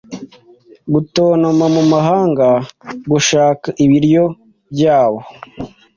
gutontoma mumahanga Gushaka ibiryo byabo